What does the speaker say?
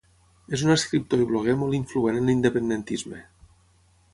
És un escriptor i bloguer molt influent en l'independentisme.